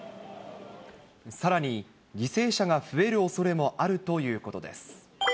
さらに、犠牲者が増えるおそれもあるということです。